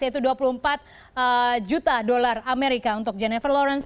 yaitu dua puluh empat juta dolar amerika untuk jennifer lawrence